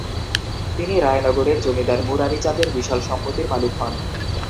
তিনি রায়নগরের জমিদার মুরারীচাঁদের বিশাল সম্পত্তির মালিক হন।